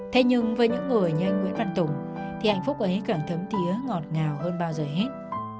thế nhưng với những người như anh nguyễn văn tùng thì hạnh phúc ấy càng thấm thiế ngọt ngào hơn bao giờ hết